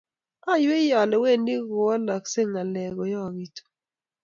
oywei ale wendi kowolokisot ng'alek koyookitu